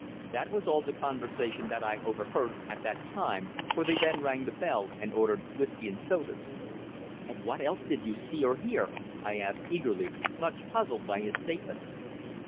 That was all the conversation that I overheard at that time, for they then rang the bell and ordered whisky and sodas." "And what else did you see or hear?" I asked eagerly, much puzzled by his statement.